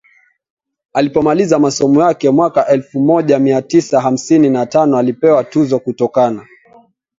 Alipomaliza masomo yake mwaka elfu moja mia tisa hamsini na tano alipewa tuzo kutokana